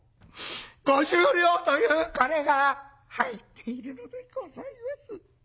５０両という金が入っているのでございます。